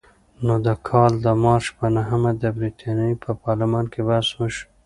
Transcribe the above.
نو د کال د مارچ په نهمه د برتانیې په پارلمان کې بحث وشو.